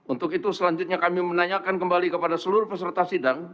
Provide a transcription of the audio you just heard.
untuk itu selanjutnya kami menanyakan kembali kepada seluruh peserta sidang